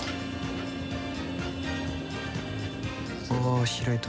あ開いた。